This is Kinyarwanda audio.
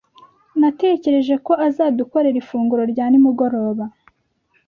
Natekereje ko azadukorera ifunguro rya nimugoroba.